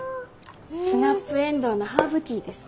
スナップエンドウのハーブティーです。